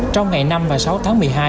trong ngày năm và sáu tháng một mươi hai